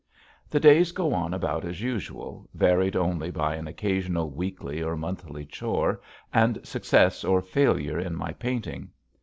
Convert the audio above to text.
The days go on about as usual varied only by an occasional weekly or monthly chore and success or failure in my painting.